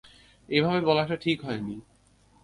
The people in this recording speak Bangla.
এভাবে বলাটা ঠিক হয়নি।